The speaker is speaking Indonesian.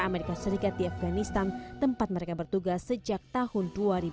amerika serikat di afganistan tempat mereka bertugas sejak tahun dua ribu